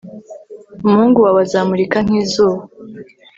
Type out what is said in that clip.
Umuhungu wawe azamurika nkizuba